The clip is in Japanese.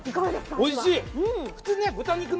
おいしい！